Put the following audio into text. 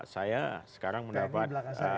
saya sekarang mendapat